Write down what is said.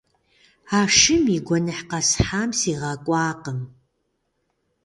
А шым и гуэныхь къэсхьам сигъэкӀуакъым.